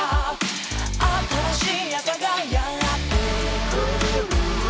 「新しい朝がやってくる」